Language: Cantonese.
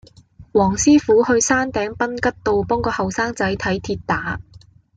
黃師傅去山頂賓吉道幫個後生仔睇跌打